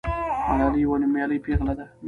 ملالۍ یوه نومیالۍ پیغله ده.